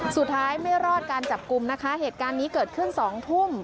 สุดท้ายไม่รอดการจับกลุ่มนะคะเหตุการณ์นี้เกิดขึ้น๒ทุ่ม